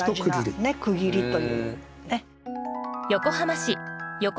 大事なね区切りというね。